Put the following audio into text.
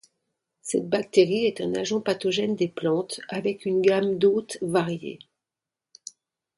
Cette bactérie est un agent pathogène des plantes avec une gamme d'hôte variée.